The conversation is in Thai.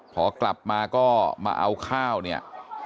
พอกลับมาก็มาเอาข้าวเนี่ย